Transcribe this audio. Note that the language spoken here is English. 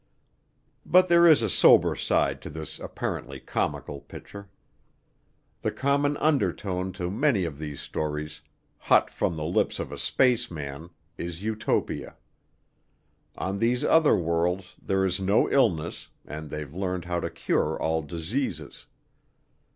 But there is a sober side to this apparently comical picture. The common undertone to many of these stories "hot from the lips of a spaceman" is Utopia. On these other worlds there is no illness, they've learned how to cure all diseases.